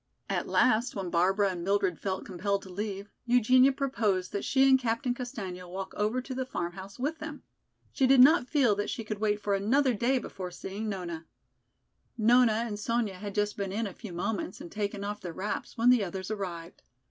At last, when Barbara and Mildred felt compelled to leave, Eugenia proposed that she and Captain Castaigne walk over to the farmhouse with them. She did not feel that she could wait for another day before seeing Nona. Nona and Sonya had just been in a few moments and taken off their wraps when the others arrived.